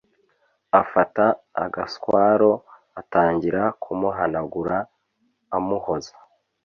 afata agaswaro atangira kumuhanagura amuhoza